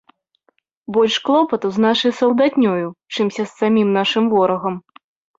Больш клопату з нашай салдатнёю, чымся з самім нашым ворагам.